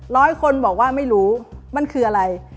ร้อยคนบอกว่าไม่รู้มันคืออะไร